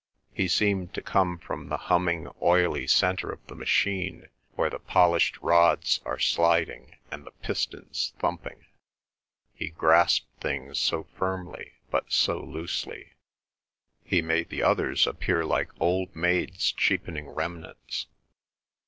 He seemed to come from the humming oily centre of the machine where the polished rods are sliding, and the pistons thumping; he grasped things so firmly but so loosely; he made the others appear like old maids cheapening remnants.